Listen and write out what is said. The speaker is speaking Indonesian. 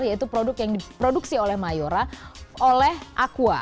yaitu produk yang diproduksi oleh mayora oleh aqua